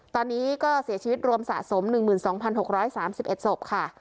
ตอนนี้ก็เสียชีวิตรวมสะสมหนึ่งหมื่นสองพันหกร้อยสามสิบเอ็ดศพค่ะ